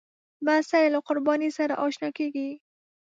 لمسی له قربانۍ سره اشنا کېږي.